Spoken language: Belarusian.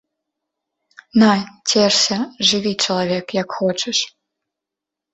На, цешся, жыві, чалавек, як хочаш!